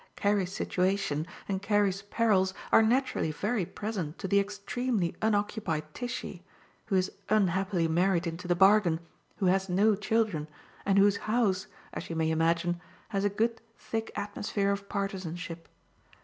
Carrie's situation and Carrie's perils are naturally very present to the extremely unoccupied Tishy, who is unhappily married into the bargain, who has no children, and whose house, as you may imagine, has a good thick atmosphere of partisanship.